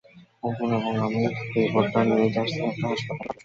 অরুণ এবং আমি রিপোর্ট টা নিউ জার্সির একটা হাসপাতালে পাঠিয়েছি।